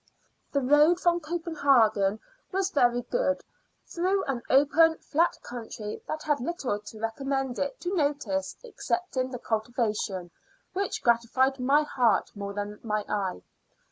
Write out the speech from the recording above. The road from Copenhagen was very good, through an open, flat country that had little to recommend it to notice excepting the cultivation, which gratified my heart more than my eye.